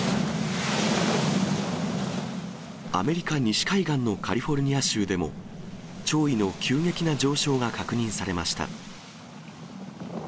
アメリカ西海岸のカリフォルニア州でも、潮位の急激な上昇が確認されました。